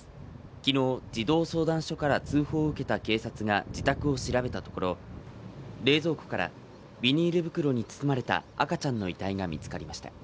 昨日、児童相談所から通報を受けた警察が自宅を調べたところ、冷蔵庫からビニール袋に包まれた赤ちゃんの遺体が見つかりました。